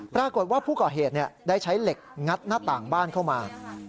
ปรากฏว่าผู้ก่อเหตุได้ใช้เหล็กงัดหน้าต่างบ้านเข้ามา